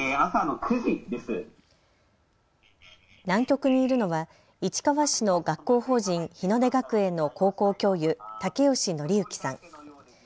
南極にいるのは市川市の学校法人日出学園の高校教諭、武善紀之さん。